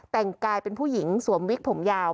แต่งกายเป็นผู้หญิงสวมวิกผมยาว